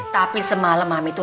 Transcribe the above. tapi semalam mami tuh